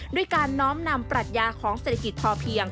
ด้วยการน้อมนำปรัชญาของเศรษฐกิจพอเพียง